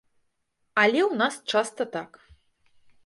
Але ў нас часта так.